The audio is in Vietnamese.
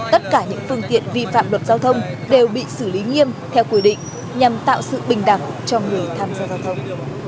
tất cả những phương tiện vi phạm luật giao thông đều bị xử lý nghiêm theo quy định nhằm tạo sự bình đẳng cho người tham gia giao thông